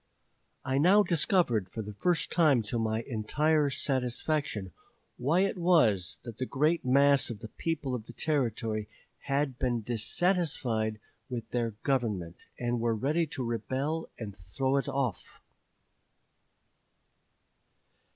"I now discovered for the first time to my entire satisfaction why it was that the great mass of the people of the Territory had been dissatisfied with their government, and were ready to rebel and throw it off."